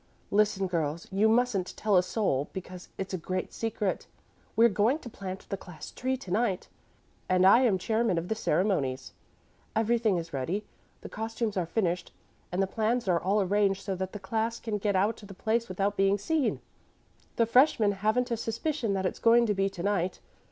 "Listen, girls. You mustn't tell a soul, because it's a great secret. We're going to plant the class tree to night, and I am chairman of the ceremonies. Everything is ready the costumes are finished and the plans all arranged so that the class can get out to the place without being seen. The freshmen haven't a suspicion that it's going to be to night.